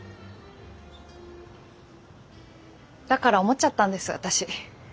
だから思っちゃったんです私。